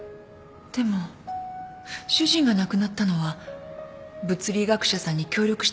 でも主人が亡くなったのは物理学者さんに協力してもらうような事件なの？